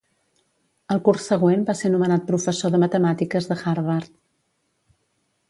El curs següent va ser nomenat professor de matemàtiques de Harvard.